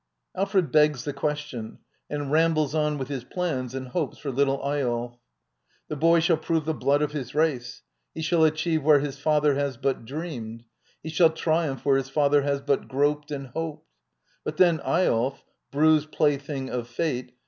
Alfred begs the question and rambles on with his plans and hopes for Little Eyolf. The boy shall prove the blood of his race; he shall achieve where his father has but dreamed ; he shall triumph where ,his father has but groped and hoped. But then *' Eyolf — bruised plaything of fate!